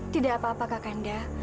tidak apa apa kakanda